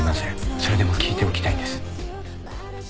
それでも聞いておきたいんです。